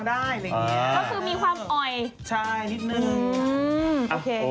เดี๋ยวก่อนนะ